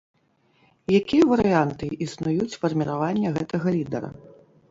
Якія варыянты існуюць фарміравання гэтага лідара?